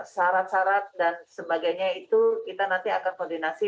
sarat sarat dan sebagainya itu kita nanti akan koordinasi